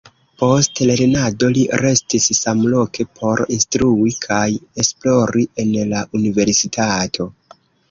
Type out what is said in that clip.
Post lernado li restis samloke por instrui kaj esplori en la universitato.